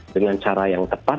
dengan cara yang tepat